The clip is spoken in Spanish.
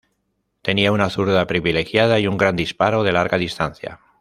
Tenía una zurda privilegiada y un gran disparo de larga distancia.